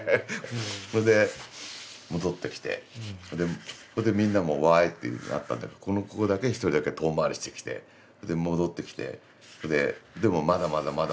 それで戻ってきてここでみんなも「わい」っていうふうになったんだけどこの子だけ一人だけ遠回りしてきてそれで戻ってきてそれででもまだまだまだまだ。